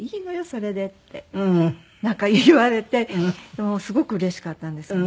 それでってなんか言われてすごくうれしかったんですよね。